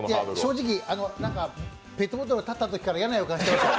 正直ペットボトル立ったときから嫌な予感しておりました。